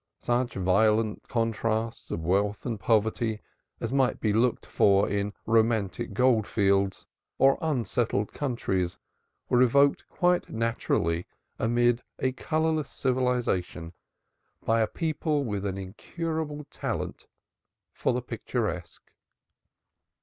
Such violent contrasts of wealth and poverty as might be looked for in romantic gold fields, or in unsettled countries were evolved quite naturally amid a colorless civilization by a people with an incurable talent for the picturesque.